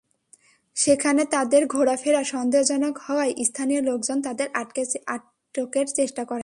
সেখানে তাঁদের ঘোরাফেরা সন্দেহজনক হওয়ায় স্থানীয় লোকজন তাঁদের আটকের চেষ্টা করেন।